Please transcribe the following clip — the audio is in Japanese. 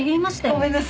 ごめんなさい。